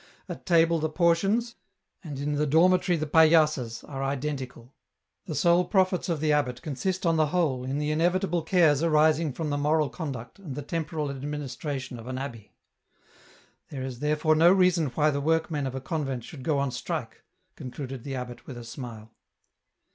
At table theportions, and in the dormitory the paillasses, are identical. The sole profits of the abbot consist on the whole in the inevitable cares arising from the moral conduct and the temporal administration of an abbey. There is there fore no reason why the workmen of a convent should go on strike," concluded the abbot with a smile.